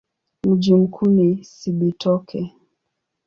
Mji mkuu ni Cibitoke.